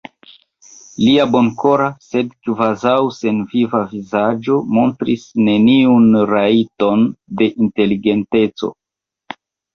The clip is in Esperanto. Lia bonkora, sed kvazaŭ senviva vizaĝo montris neniun trajton de inteligenteco.